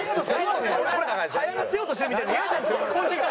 流行らせようとしてるみたいで嫌なんですよなんか。